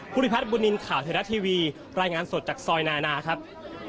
พุทธิพัฒน์บุญนินข่าวเทราะทีวีรายงานสดจากซอยนานะครับ